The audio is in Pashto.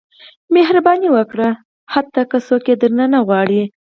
• مهرباني وکړه، حتی که څوک یې درنه نه غواړي.